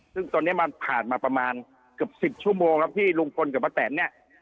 ซึ่งตอนนี้มันผ่านมาประมาณเกือบ๑๐ชั่วโมงแล้วที่ลุงพลกับป้าแตนเนี่ย